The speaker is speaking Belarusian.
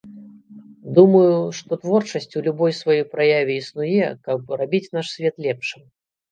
Думаю, што творчасць у любой сваёй праяве існуе, каб рабіць наш свет лепшым.